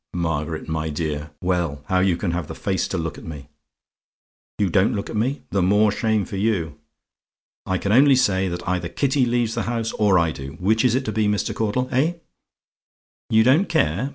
'Margaret, my dear!' Well, how you can have the face to look at me "YOU DON'T LOOK AT ME? "The more shame for you. "I can only say, that either Kitty leaves the house, or I do. Which is it to be, Mr. Caudle? Eh? "YOU DON'T CARE?